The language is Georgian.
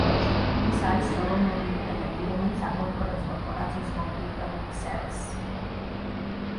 ეს არის ხელოვნური ინტელექტი, რომელიც აკონტროლებს კორპორაციის კომპიუტერულ ქსელს.